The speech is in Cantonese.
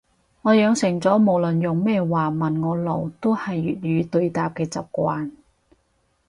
我養成咗無論用咩話問我路都係粵語對答嘅習慣